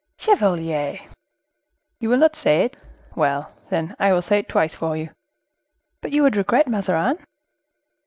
'" "Chevalier!" "You will not say it? Well, then, I will say it twice for you." "But you would regret Mazarin?"